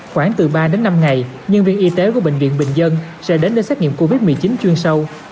khoảng từ ba đến năm ngày nhân viên y tế của bệnh viện bình dân sẽ đến đây xét nghiệm covid một mươi chín chuyên sâu